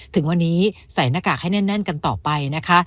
ถึงวันนี้ใส่หน้ากากให้แน่นกันต่อไปนะคะ